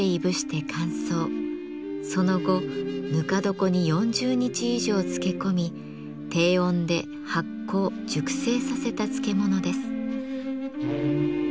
その後ぬか床に４０日以上漬け込み低温で発酵・熟成させた漬物です。